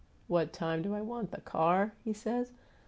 'What time do I want the car?' he says.